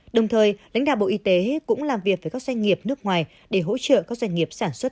đồng thời lãnh đạo bộ y tế cũng làm việc với các doanh nghiệp nước ngoài để hỗ trợ các doanh nghiệp sản xuất